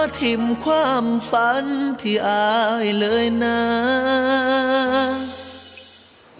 อ่าท่อนนี้ทั้งท่อนเลยมาครับ